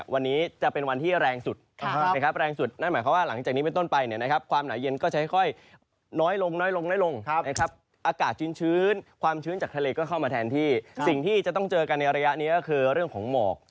ว่าส่องกบว่างนี้เดี๋ยวก็อาจจะไปซ่องกันก่อน